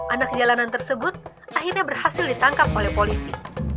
anak jalanan tersebut akhirnya berhasil ditangkap oleh polisi